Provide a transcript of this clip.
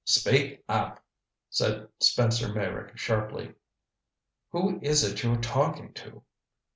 "Speak up," said Spencer Meyrick sharply. "Who is it you're talking to?"